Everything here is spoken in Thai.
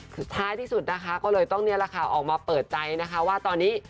คือท้ายที่สุดนะคะก็เลยต้องนี่แหละค่ะออกมาเปิดใจนะคะว่าตอนนี้